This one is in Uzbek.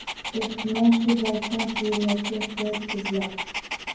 Ehtimol, shu boisdan she`riyatga ehtiyoj sezilar